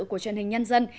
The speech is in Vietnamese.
của truyền hình nhân dân